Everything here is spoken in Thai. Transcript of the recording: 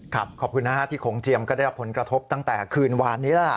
ขอบคุณนะฮะที่โขงเจียมก็ได้รับผลกระทบตั้งแต่คืนวานนี้แล้วล่ะ